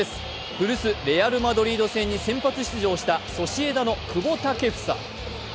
古巣、レアル・マドリード戦に先発出場したソシエダの久保建英。